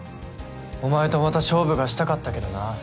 お前とまた勝負がしたかったけどな。